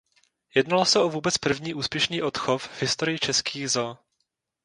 Jednalo se o vůbec první úspěšný odchov v historii českých zoo.